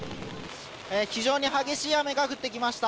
非常に激しい雨が降ってきました。